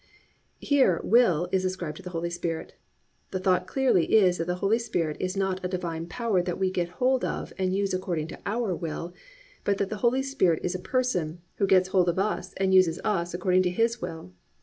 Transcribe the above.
"+ Here will is ascribed to the Holy Spirit. The thought clearly is that the Holy Spirit is not a divine power that we get hold of and use according to our will, but that the Holy Spirit is a person who gets hold of us and uses us according to His will.